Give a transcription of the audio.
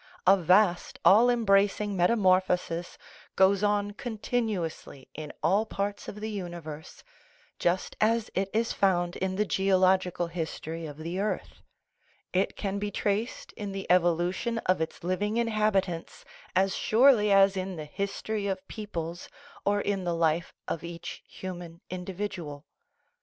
A vast, all embrac ing metamorphosis goes on continuously in all parts of the universe, just as it is found in the geological his tory of the earth ; it can be traced in the evolution of its living inhabitants as surely as in the history of peo ples or in the life of each human individual.